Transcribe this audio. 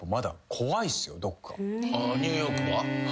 ニューヨークは？